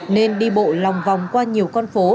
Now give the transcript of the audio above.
nên đi bộ lòng vòng qua nhiều con phố